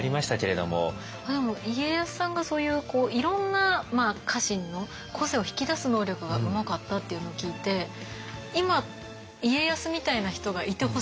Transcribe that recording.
でも家康さんがそういうこういろんな家臣の個性を引き出す能力がうまかったっていうのを聞いて今家康みたいな人がいてほしいって思いました。